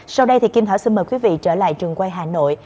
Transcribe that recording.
sau đây thì kim thảo xin mời quý vị trở lại trường quay hà nội